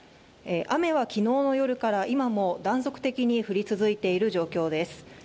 雨は昨日の夜から今も断続的に降り続いている状況です。